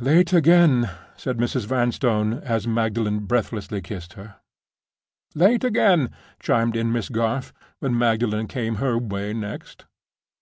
"Late again!" said Mrs. Vanstone, as Magdalen breathlessly kissed her. "Late again!" chimed in Miss Garth, when Magdalen came her way next.